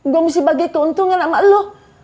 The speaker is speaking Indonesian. gue mesti bagi keuntungan sama lo